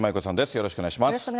よろしくお願いします。